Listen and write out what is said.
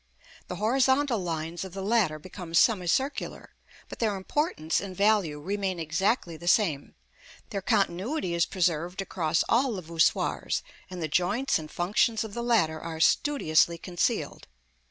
The horizontal lines of the latter become semicircular, but their importance and value remain exactly the same; their continuity is preserved across all the voussoirs, and the joints and functions of the latter are studiously concealed.